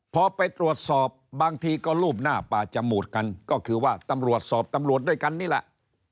พอไปตรวจสอบบางทีก็รูปหน้าป่าจมูดกันก็คือว่าตำรวจสอบตำรวจด้วยกันนี่แหละ